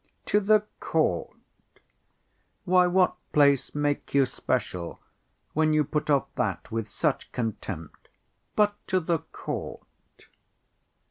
To the court! Why, what place make you special, when you put off that with such contempt? But to the court!